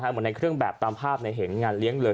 หมดในเครื่องแบบตามภาพในเหตุงานเลี้ยงเลย